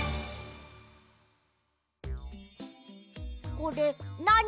これなに？